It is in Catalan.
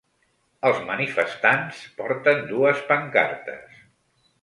Els manifestants porten dues pancartes.